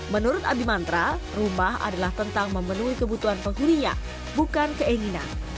menurut abimantra rumah adalah tentang memenuhi kebutuhan penghuninya bukan keinginan